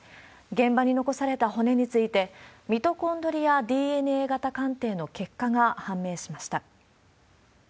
現場に残された骨について、ミトコンドリアＤＮＡ型鑑定の結果が判明しました。